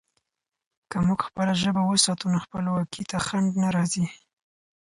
که موږ خپله ژبه وساتو، نو خپلواکي ته خنډ نه راځي.